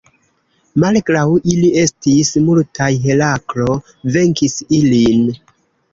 Malgraŭ ili estis multaj, Heraklo venkis ilin.